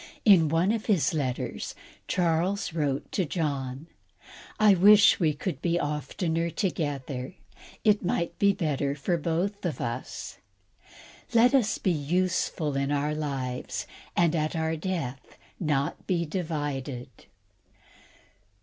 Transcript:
In one of his letters, Charles wrote to John: "I wish we could be oftener together; it might be better for us both. Let us be useful in our lives, and at our death not divided."